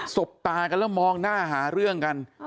บตากันแล้วมองหน้าหาเรื่องกัน